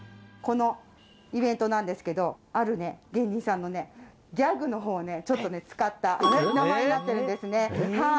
このイベントなんですけどある芸人さんのギャグの方を使った名前になってるんですね。